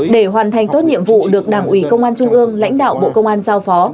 để hoàn thành tốt nhiệm vụ được đảng ủy công an trung ương lãnh đạo bộ công an giao phó